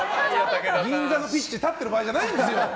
銀座のピッチに立ってる場合じゃないんだよ。